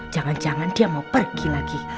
jangan jangan dia mau pergi lagi